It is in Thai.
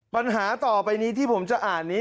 ปัญหาต่อไปนี้ที่ผมจะอ่านนี้